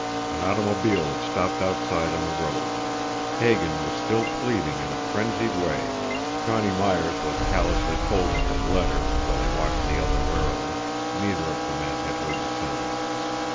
An automobile had stopped outside on the road. Hagan was still pleading in a frenzied way; Connie Myers was callously folding his letter, while he watched the other warily neither of the men had heard the sound.